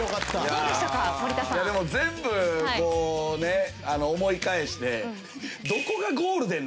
全部思い返して。